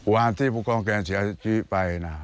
วันที่พวกกองแขนเสียชีวิตไปนะ